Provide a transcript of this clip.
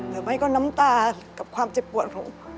หรือไม่ก็น้ำตากับความเจ็บปวดของ